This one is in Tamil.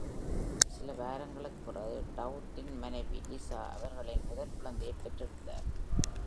சில வாரங்களுக்குப் பிறகு, Dowd ன் மனைவி லிசா அவர்களின் முதல் குழந்தையைப் பெற்றெடுத்தார்.